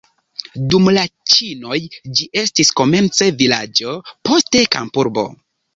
Dum la ĉinoj ĝi estis komence vilaĝo, poste kampurbo.